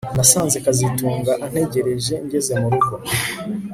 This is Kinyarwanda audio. Nasanze kazitunga antegereje ngeze murugo